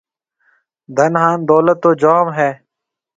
ڌن هانَ دولت تو جوم هيَ۔